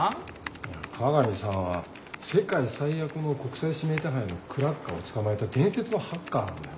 いや加賀美さんは世界最悪の国際指名手配のクラッカーを捕まえた伝説のハッカーなんだよ。